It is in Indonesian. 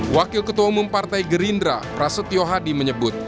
wakil ketua umum partai gerindra prasetyo hadi menyebut